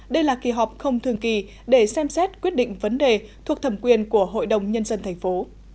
đây là kỳ họp không thường kỳ để xem xét quyết định vấn đề thuộc thẩm quyền của hội đồng nhân dân thành phố